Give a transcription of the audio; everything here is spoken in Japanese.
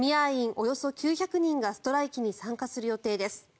およそ９００人がストライキに参加する予定です。